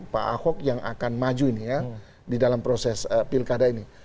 pak ahok yang akan maju ini ya di dalam proses pilkada ini